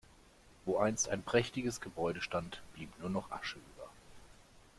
Wo einst ein prächtiges Gebäude stand, blieb nur noch Asche über.